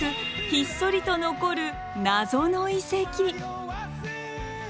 ひっそりと残るナゾの遺跡。